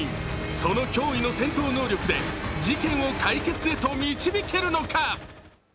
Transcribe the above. その驚異の戦闘能力で事件を解決へと導けるのか。